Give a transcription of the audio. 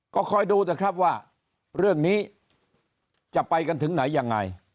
ก็คอยดูนะครับว่าเรื่องนี้จะไปกันถึงไหนยังไง